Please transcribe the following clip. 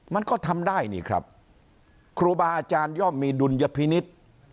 มันก็ทำได้นี่ครับครูบาอาจารย่อมมีดุลยพินิษฐ์